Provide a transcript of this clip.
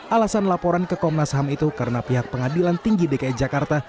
alasan laporan ke komnas ham itu karena pihak pengadilan tinggi dki jakarta